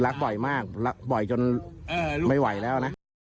บ่อยมากรักบ่อยจนไม่ไหวแล้วนะ